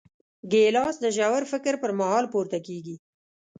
ګیلاس د ژور فکر پر مهال پورته کېږي.